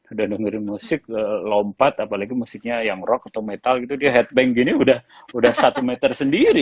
udah dengerin musik lompat apalagi musiknya yang rock atau metal gitu dia headbank gini udah satu meter sendiri